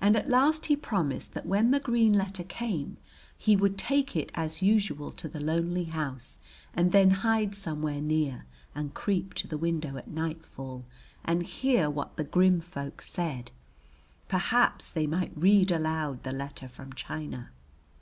And at last he promised that when the green letter came he would take it as usual to the lonely house and then hide somewhere near and creep to the window at nightfall and hear what the grim folk said; perhaps they might read aloud the letter from China.